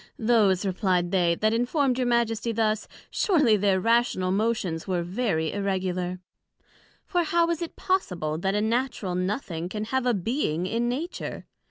Those, replied they, that informed your Majesty thus, surely their rational motions were very irregular; For how is it possible, that a Natural nothing can have a being in Nature?